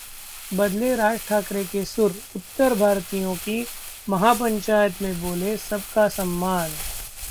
बदले राज ठाकरे के सुर, उत्तर भारतीयों की महापंचायत में बोले- सबका सम्मान